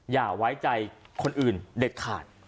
อย่าไว้ใจคนอื่นเด็ดขาด